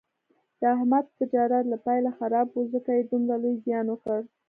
د احمد تجارت له پیله خراب و، ځکه یې دومره لوی زیان وکړ.